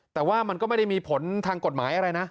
แต่ว่ามันก็ไม่ได้มีผลทางกฎหมายอะไรนะ